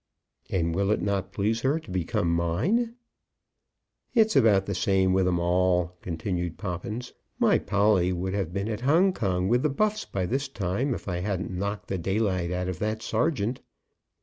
"And will it not please her to become mine?" "It's about the same with 'em all," continued Poppins. "My Polly would have been at Hong Kong with the Buffs by this time, if I hadn't knocked the daylight out of that sergeant."